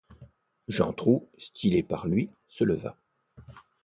Jantrou, stylé par lui, se leva.